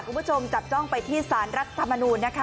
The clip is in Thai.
คุณผู้ชมจับจ้องไปที่สารรัฐธรรมนูญนะคะ